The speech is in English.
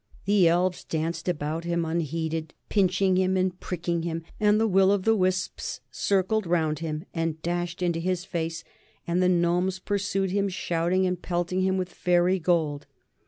The elves danced about him unheeded, pinching him and pricking him, and the will o' the wisps circled round him and dashed into his face, and the gnomes pursued him shouting and pelting him with fairy gold.